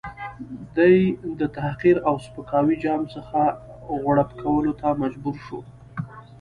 دی د تحقیر او سپکاوي جام څخه غوړپ کولو ته مجبور شو.